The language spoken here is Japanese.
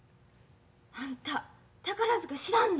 あんた宝塚知らんの？